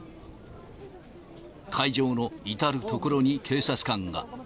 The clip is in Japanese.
会場の至る所に警察官が。